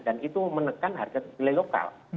dan itu menekan harga kedelai lokal